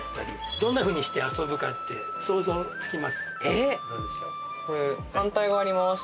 どんなふうにして遊ぶかって想像つきます？